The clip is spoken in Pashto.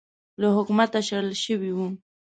له حکومته شړل شوی و